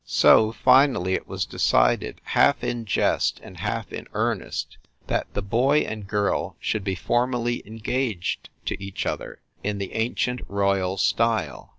So, finally, it was decided, half in jest and half in earnest, that the boy and girl should be formally engaged to eacli other, in the ancient royal style.